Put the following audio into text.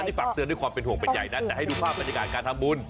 นี่ฝากเตือนด้วยความเป็นห่วงเป็นใหญ่นะแต่ให้ดูภาพบรรยากาศการทำบุญ